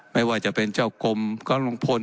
ไม่ว่าจะเป็นเจ้ากรมก็ลุงพล